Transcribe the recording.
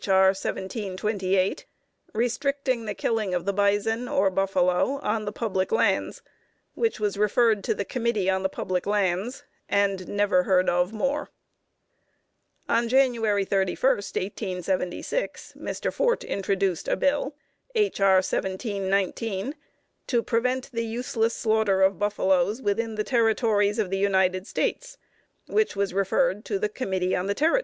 R. 1728) restricting the killing of the bison, or buffalo, on the public lands; which was referred to the Committee on the Public Lands, and never heard of more. On January 31, 1876, Mr. Fort introduced a bill (H. R. 1719) to prevent the useless slaughter of buffaloes within the Territories of the United States, which was referred to the Committee on the Territories.